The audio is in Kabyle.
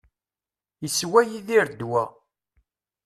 Iswa Yidir ddwa.